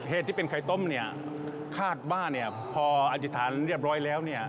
เหตุที่เป็นไข่ต้มนี่คาดบ้านพออธิษฐานเรียบร้อยแล้ว